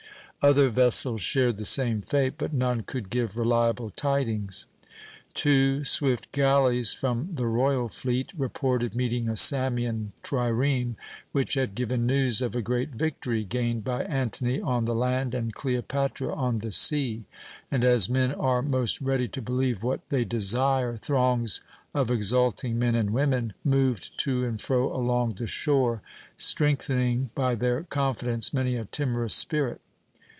Other vessels shared the same fate, but none could give reliable tidings. Two swift galleys from the royal fleet reported meeting a Samian trireme, which had given news of a great victory gained by Antony on the land and Cleopatra on the sea, and, as men are most ready to believe what they desire, throngs of exulting men and women moved to and fro along the shore, strengthening by their confidence many a timorous spirit.